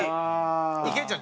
いけちゃん